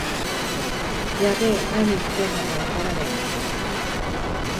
やべえ、なに言ってんのかわからねえ